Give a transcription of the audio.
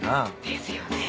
ですよね。